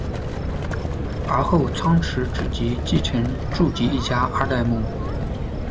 而后仓持直吉继承住吉一家二代目。